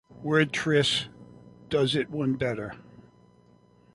"Wordtris" does it one better".